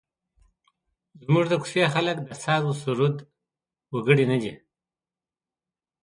زموږ د کوڅې خلک د سازوسرور وګړي نه دي.